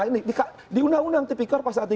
ini kak di undang undang tipikor pasal ini